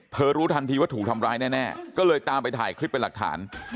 รู้ทันทีว่าถูกทำร้ายแน่ก็เลยตามไปถ่ายคลิปเป็นหลักฐาน